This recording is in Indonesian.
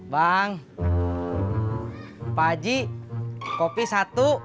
bang pak haji kopi satu